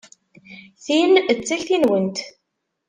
Tin d takti-nwent.